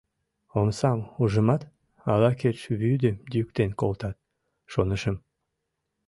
Омсам ужымат, ала кеч вӱдым йӱктен колтат, шонышым.